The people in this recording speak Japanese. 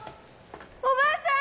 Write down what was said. おばさん！